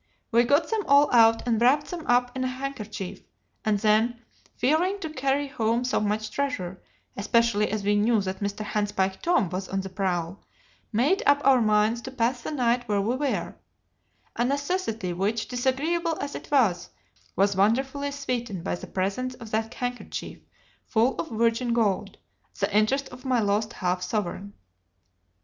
We got them all out and wrapped them up in a handkerchief, and then, fearing to carry home so much treasure, especially as we knew that Mr. Handspike Tom was on the prowl, made up our minds to pass the night where we were a necessity which, disagreeable as it was, was wonderfully sweetened by the presence of that handkerchief full of virgin gold the interest of my lost half sovereign.